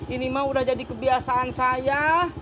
ini mah udah jadi kebiasaan saya